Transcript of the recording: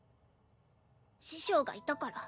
師匠がいたから。